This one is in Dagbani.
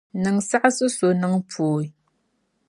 Niŋ saɣisi n-so niŋ pooi.